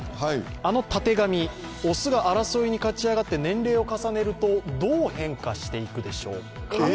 あのたてがみ、雄が争いに勝ち上がって年齢を重ねるとどう変化していくでしょうか。